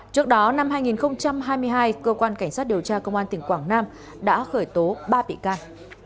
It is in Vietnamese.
trước đó năm hai nghìn hai mươi hai cơ quan cảnh sát điều tra công an tỉnh quảng nam đã khởi tố ba bị can